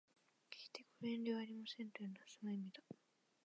決してご遠慮はありませんというのはその意味だ